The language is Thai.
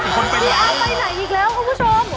พี่อั๊มไปไหนอีกแล้วคุณผู้ชม